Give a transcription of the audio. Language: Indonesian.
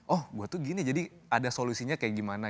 oh gue tuh gini jadi ada solusinya kayak gimana